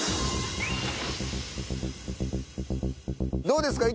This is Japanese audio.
どうですか？